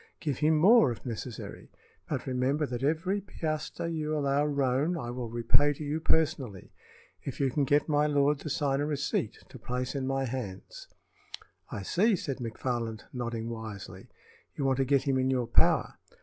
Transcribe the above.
Give him more, if necessary; but remember that every piastre you allow Roane I will repay to you personally, if you can get my lord to sign a receipt to place in my hands." "I see," said McFarland, nodding wisely. "You want to get him in your power."